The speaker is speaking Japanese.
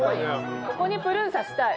ここにプルーンさしたい。